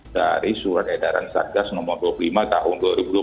dari surat edaran satgas nomor dua puluh lima tahun dua ribu dua puluh